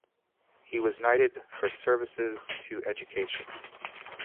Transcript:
He was knighted for services to education.